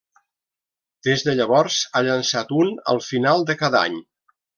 Des de llavors ha llançat un al final de cada any.